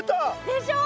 でしょ。